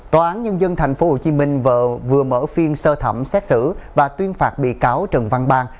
tòa án nhân dân tp hcm vừa mở phiên sơ thẩm xét xử và tuyên phạt bị cáo trần văn bang